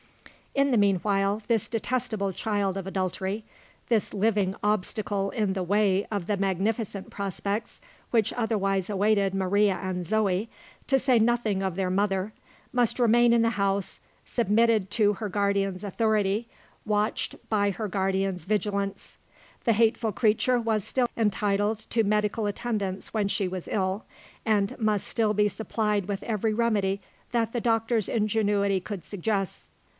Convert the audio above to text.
In the meanwhile, this detestable child of adultery this living obstacle in the way of the magnificent prospects which otherwise awaited Maria and Zoe, to say nothing of their mother must remain in the house, submitted to her guardian's authority, watched by her guardian's vigilance. The hateful creature was still entitled to medical attendance when she was ill, and must still be supplied with every remedy that the doctor's ingenuity could suggest.